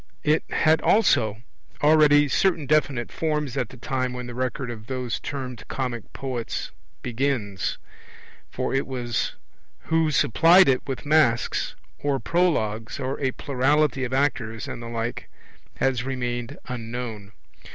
It had also already certain definite forms at the time when the record of those termed comic poets begins. Who it was who supplied it with masks, or prologues, or a plurality of actors and the like, has remained unknown.